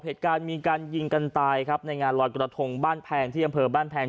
เหตุการณ์มีการยิงกันตายครับในงานลอยกระทงบ้านแพงที่อำเภอบ้านแพง